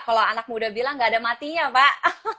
kalau anak muda bilang nggak ada matinya pak